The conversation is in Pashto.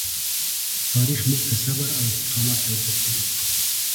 تاریخ موږ ته صبر او استقامت را زده کوي.